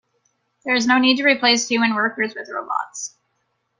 There is no need to replace human workers with robots.